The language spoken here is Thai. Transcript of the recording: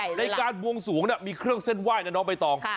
ในการบวงสวงมีเครื่องเส้นไหว้นะน้องใบตอง